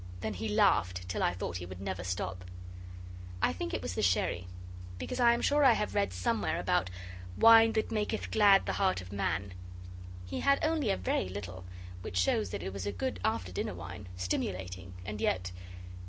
Then he laughed till I thought he would never stop. I think it was the sherry, because I am sure I have read somewhere about 'wine that maketh glad the heart of man'. He had only a very little, which shows that it was a good after dinner wine, stimulating, and yet